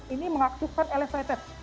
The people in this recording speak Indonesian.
ini mengaktifkan elevated